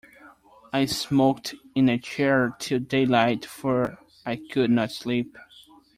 I smoked in a chair till daylight, for I could not sleep.